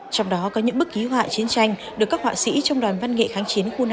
trong đó có những bức ký họa chiến tranh được các họa sĩ trong đoàn văn nghệ kháng chiến khu năm